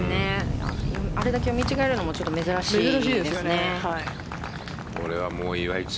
あれだけ見違えるのも珍しいですね。